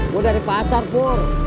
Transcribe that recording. gua dari pasar pur